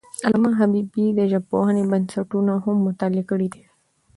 علامه حبیبي د ژبپوهنې بنسټونه هم مطالعه کړي دي.